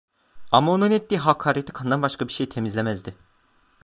Ama onun ettiği hakareti kandan başka bir şey temizlemezdi.